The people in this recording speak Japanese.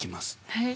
はい。